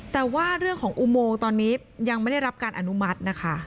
แต่ว่าเรื่องของอุโมงตอนนี้ยังไม่ได้รับการอนุมัตินะคะ